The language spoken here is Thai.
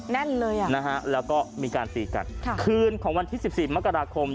แน่นเลยอ่ะนะฮะแล้วก็มีการตีกันค่ะคืนของวันที่สิบสี่มกราคม